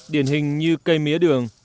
điển hình như cây mía đường